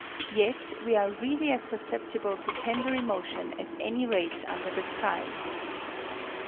Yet we are really as susceptible to tender emotion as any race under the sky.